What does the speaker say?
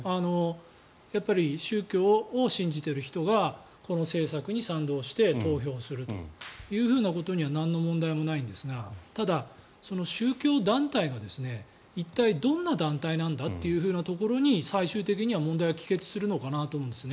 やっぱり宗教を信じている人がこの政策に賛同して投票するというふうなことにはなんの問題もないんですがただ、その宗教団体が一体どんな団体なんだというところに最終的には問題は帰結するのかなと思うんです。